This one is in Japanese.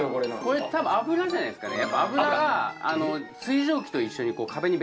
これたぶん油じゃないすかね